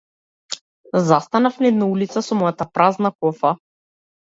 Застанав на една улица со мојата празна кофа.